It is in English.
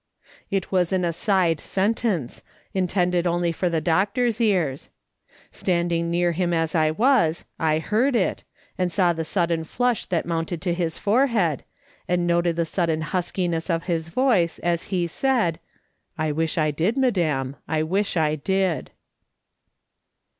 It was an aside sentence, intended only for the doctor's ears. Standing near him as I was, I heard it, and saw the sudden flush that mounted to his forehead, and noted the sudden huskiness of his voice as he said :*' I wish I did, madam ; I wish I did."